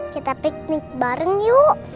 kita piknik bareng yuk